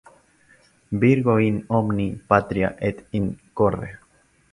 Virgo in omni patria et in corde".